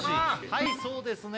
「はいそうですね」